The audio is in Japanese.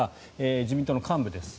自民党の幹部です。